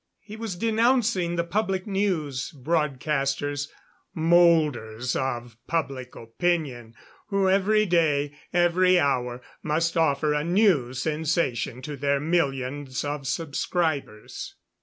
He was denouncing the public news broadcasters; moulders of public opinion, who every day every hour must offer a new sensation to their millions of subscribers.